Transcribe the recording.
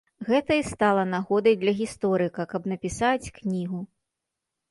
Гэта і стала нагодай для гісторыка, каб напісаць кнігу.